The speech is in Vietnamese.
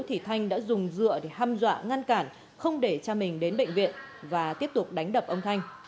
thì thanh đã dùng dựa để hâm dọa ngăn cản không để cha mình đến bệnh viện và tiếp tục đánh đập ông thanh